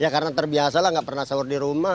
ya karena terbiasalah gak pernah sahur di rumah